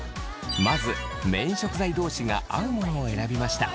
まずメイン食材同士が合うものを選びました。